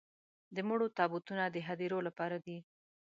د مړو تابوتونه د هديرو لپاره دي.